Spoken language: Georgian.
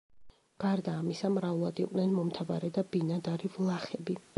გარდა ამისა, მრავლად იყვნენ მომთაბარე და ბინადარი ვლახები.